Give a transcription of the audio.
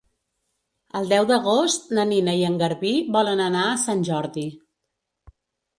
El deu d'agost na Nina i en Garbí volen anar a Sant Jordi.